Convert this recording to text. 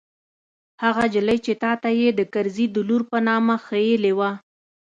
هغه نجلۍ چې تا ته يې د کرزي د لور په نامه ښييلې وه.